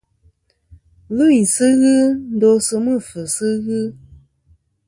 Lvɨyn sɨ ghɨ ndosɨ mɨ̂fvɨsɨ ghɨ.